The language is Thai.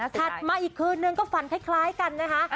มาอีกคืนนึงก็ฝันคล้ายกันนะคะ